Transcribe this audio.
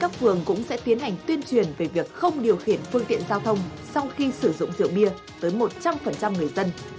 các phường cũng sẽ tiến hành tuyên truyền về việc không điều khiển phương tiện giao thông sau khi sử dụng rượu bia tới một trăm linh người dân